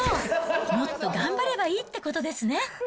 もっと頑張ればいいってことですね。